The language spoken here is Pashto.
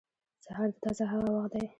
• سهار د تازه هوا وخت دی.